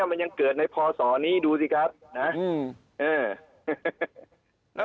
มันยังเกิดในพศนี้ดูสิครับนะ